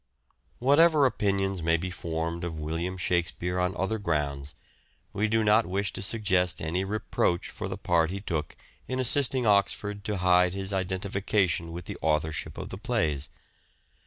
William Whatever opinions may be formed of William raie S] Shakspere on other grounds, we do not wish to suggest any reproach for the part he took in assisting Oxford to hide his identification with the authorship of the plays.